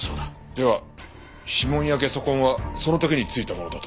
では指紋やゲソ痕はその時についたものだと？